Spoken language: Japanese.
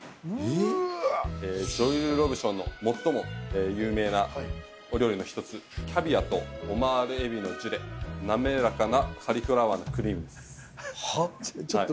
うーわジョエル・ロブションの最も有名なお料理の一つキャビアとオマール海老のジュレなめらかなカリフラワーのクリームですはあ？